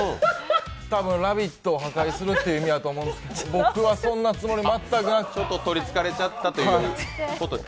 多分、「ラヴィット！」を破壊するということだと思うんですけど、僕はそんなつもり全くなくちょっととりつかれちゃったっていうこと？